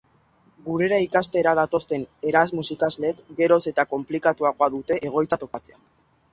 Gurera ikastera datozen Erasmus ikasleek geroz eta konplikatuagoa dute egoitza topatzea.